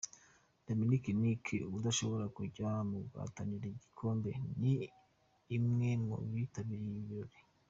Dominic Nic udashobora kujya mu bahatanira ibikombe ni umwe mu bitabiriye ibi birori.